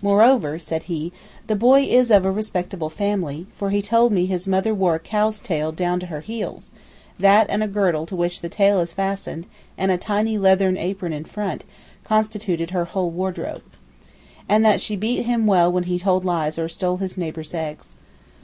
'Moreover,' he said, 'the boy is of a respectable family, for he told me his mother wore a cow's tail down to her heels (that and a girdle to which the tail is fastened, and a tiny leathern apron in front, constituted her whole wardrobe), and that she beat him well when he told lies or stole his neighbours eggs.